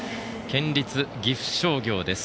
県立岐阜商業です。